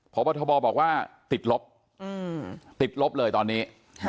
พบทบบอกว่าติดลบติดลบเลยตอนนี้